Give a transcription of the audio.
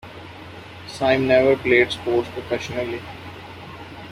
Sime never played sports professionally.